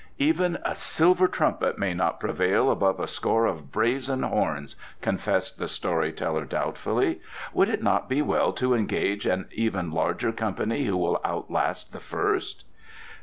"Even a silver trumpet may not prevail above a score of brazen horns," confessed the story teller doubtfully. "Would it not be well to engage an even larger company who will outlast the first?"